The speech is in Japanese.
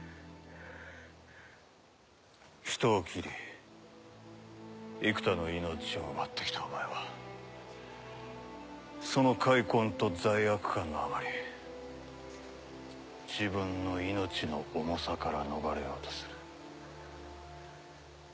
人を斬り幾多の命を奪って来たお前はその悔恨と罪悪感のあまり自分の命の重さから逃れようとする。